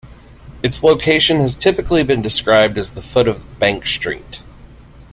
Its location has typically been described as the foot of Bank Street.